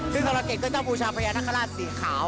ซึ่งกำลังเก็บก็เจ้าภูชาพญานคราชสีขาว